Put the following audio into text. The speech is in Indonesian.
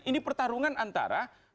ini pertarungan antara